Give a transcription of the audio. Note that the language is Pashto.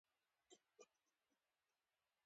فکر کوي پرته له کتار چارې اجرا شي.